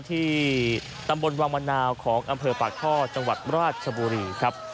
ที่ตำบลวังมะนาวของอำเภอปากท่อจังหวัดราชบุรีครับ